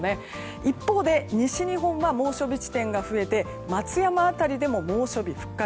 一方で、西日本は猛暑日地点が増えて松山辺りでも猛暑日復活。